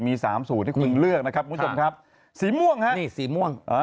มีสามสูตรที่คุณเลือกนะครับคุณผู้ชมครับสีม่วงฮะนี่สีม่วง